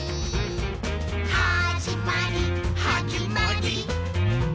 「はじまりはじまりー！」